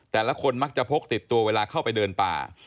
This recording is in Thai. แต่ละคนมักจะพกติดตัวเวลาเข้าไปเดินป่า